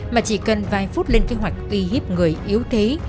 mà chỉ cần vài phút lên kế hoạch uy hiếp người yếu thế